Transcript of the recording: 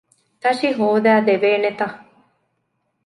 ތަށި ހޯދައިދެވޭނެތަ؟